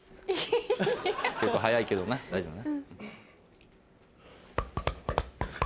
結構速いけど大丈夫ね。